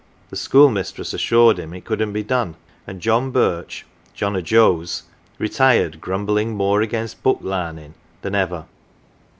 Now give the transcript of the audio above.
The schoolmistress assured him it couldn't be done, and John Birch (John o' Joe's) retired grumbling more against " book larnin' " than ever.